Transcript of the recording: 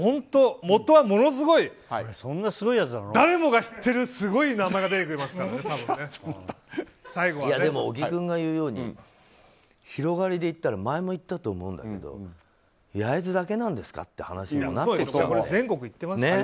元はものすごい誰もが知ってるすごい名前が出てきますからでも小木君が言うように広がりでいったら前も言ったと思うんだけど焼津だけなんですかって話にもなってきちゃうから。